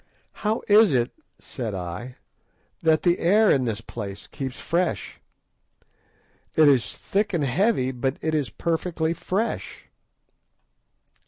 "How is it," said I, "that the air in this place keeps fresh? It is thick and heavy, but it is perfectly fresh."